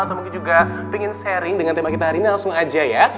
atau mungkin juga pengen sharing dengan tema kita hari ini langsung aja ya